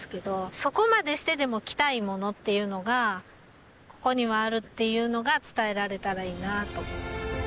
そこまでしてでも来たいものっていうのがここにはあるっていうのが伝えられたらいいなと思って。